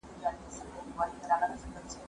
که وخت وي، بوټونه پاکوم!.